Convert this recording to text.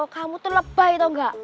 kamu tuh lebay tau gak